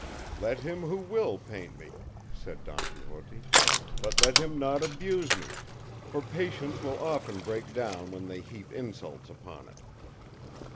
"Let him who will paint me," said Don Quixote; "but let him not abuse me; for patience will often break down when they heap insults upon it."